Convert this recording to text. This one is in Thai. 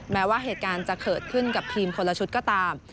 แม้ว่าเหตุการณ์จะเกิดขึ้นกับทีมคนละชุดก็ตาม